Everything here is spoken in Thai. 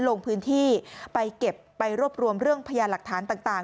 ลงพื้นที่ไปเก็บไปรวบรวมเรื่องพยานหลักฐานต่าง